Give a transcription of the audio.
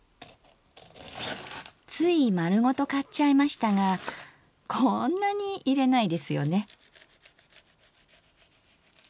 つい丸ごと買っちゃいましたがこんなに入れないですよね。